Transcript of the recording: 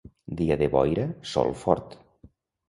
Dia de boira, sol fort.